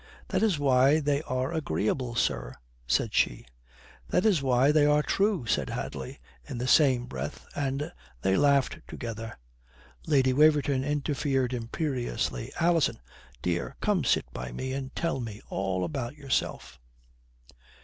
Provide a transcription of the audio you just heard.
"That is why they are agreeable, sir," said she. "That is why they are true," said Hadley in the same breath, and they laughed together. Lady Waverton interfered imperiously. "Alison, dear, come sit by me and tell me all about yourself."